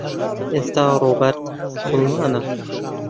ئێستا ڕۆبەرت موسڵمانە.